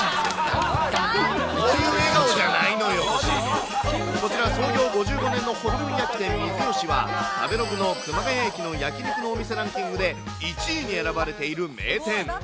結構、こちら、創業５５年のホルモン焼き店、水よしは食べログの熊谷駅の焼肉のお店ランキングで１位に選ばれている名店。